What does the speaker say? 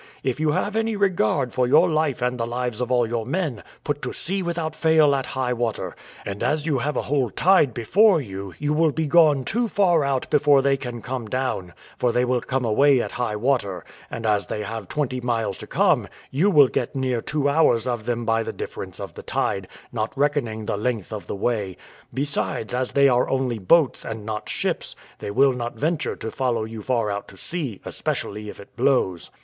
If you have any regard for your life and the lives of all your men, put to sea without fail at high water; and as you have a whole tide before you, you will be gone too far out before they can come down; for they will come away at high water, and as they have twenty miles to come, you will get near two hours of them by the difference of the tide, not reckoning the length of the way: besides, as they are only boats, and not ships, they will not venture to follow you far out to sea, especially if it blows."